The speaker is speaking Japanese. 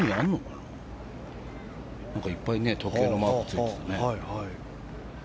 なんかいっぱい時計のマークがついてたね。